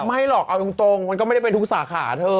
ไม่หรอกเอาตรงมันก็ไม่ได้เป็นทุกสาขาเธอ